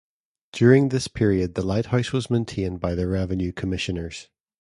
During this period, the lighthouse was maintained by the Revenue Commissioners.